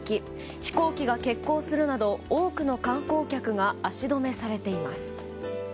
飛行機が欠航するなど多くの観光客が足止めされています。